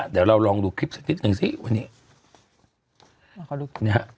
เดี๋ยวเราลองดูคลิปสักนิดหนึ่งสิวันนี้